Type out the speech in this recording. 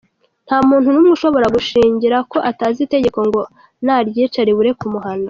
Nta muntu n’umwe ushobora gushingira ko atazi itegeko ngo naryica ribure kumuhana.